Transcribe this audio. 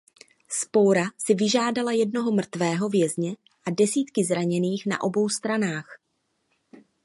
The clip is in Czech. Vzpoura si vyžádala jednoho mrtvého vězně a desítky zraněných na obou stranách.